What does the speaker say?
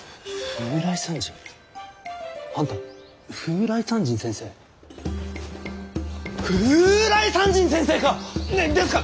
風来山人先生か！？ですか！？